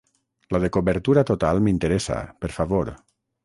La de cobertura total m'interessa, per favor.